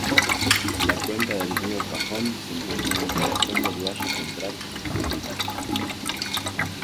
La cuenca del río Cajón se encuentra en el corazón del Valle Central Occidental.